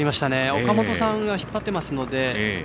岡本さんが引っ張っていますので。